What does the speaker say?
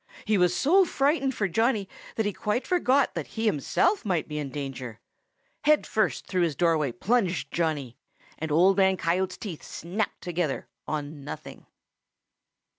He was so frightened for Johnny that he quite forgot that he himself might be in danger. Head first through his doorway plunged Johnny, and Old Man Coyote's teeth snapped together on nothing.